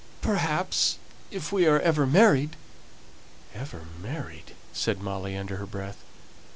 Perhaps, if we are ever married " "Ever married!" said Molly, under her breath.